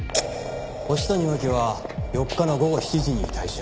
星谷真輝は４日の午後７時に退社。